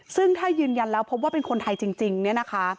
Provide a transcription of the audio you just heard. ซึ่งถ้ายืนยันแล้วพบว่าเป็นคนไทยจริงเนี่ยนะคะ